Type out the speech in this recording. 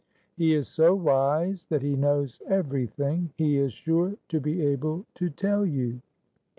He is so wise that he knows everything. He is sure to be able to tell you.